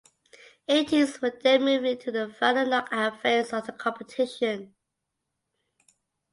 Eight teams will then move into the final knockout phase of the competition.